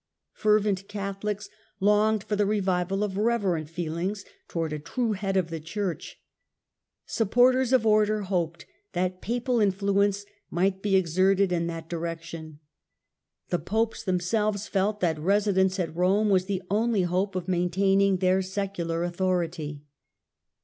Fervent Catholics longed for the revival of reverent feelings towards a true head of the Church. Supporters of order hoped that Papal influence might be exerted in that direction. The Popes them selves felt that residence at Eome was the only hope of maintaining their secular authority.